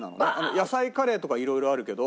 野菜カレーとか色々あるけど。